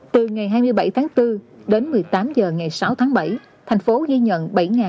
từ ngày hai mươi bảy tháng bốn đến một mươi tám h ngày sáu tháng bảy thành phố ghi nhận